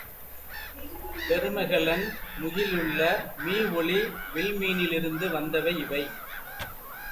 பெருமெகல்லன் முகிலிலுள்ள மீஒளி வில்மீனிலிருந்து வந்தவை இவை.